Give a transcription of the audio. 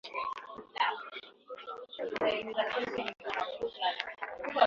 aletea makala haya ni mimi mtayarishaji na mtangazaji wako